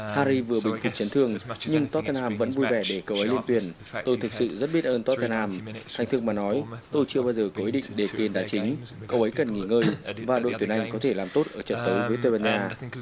harry vừa bình phục chấn thương nhưng tottenham vẫn vui vẻ để cậu ấy lên tuyển tôi thực sự rất biết ơn tottenham thành thức mà nói tôi chưa bao giờ có ý định để kane đá chính cậu ấy cần nghỉ ngơi và đội tuyển anh có thể làm tốt ở trận tới với tây ban nha